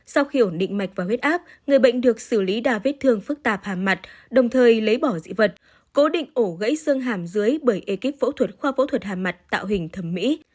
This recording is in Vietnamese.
sau khi ổn định mạch và huyết áp người bệnh được xử lý đa vết thương phức tạp hàm mặt đồng thời lấy bỏ dị vật cố định ổ gãy xương hàm dưới bởi ekip phẫu thuật khoa phẫu thuật hàm mặt tạo hình thẩm mỹ